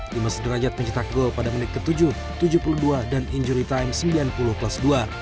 dimas derajat mencetak gol pada menit ke tujuh tujuh puluh dua dan injury time sembilan puluh plus dua